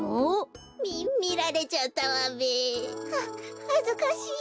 みみられちゃったわべ。ははずかしい。